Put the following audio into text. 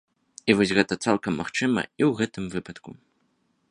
І вось гэта цалкам магчыма і ў гэтым выпадку.